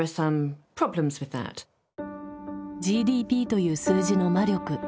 ＧＤＰという数字の魔力。